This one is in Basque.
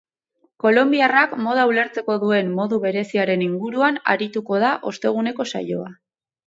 Kolonbiarrak moda ulertzeko duen modu bereziaren inguruan arituko da osteguneko saioa.